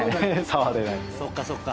そっかそっか。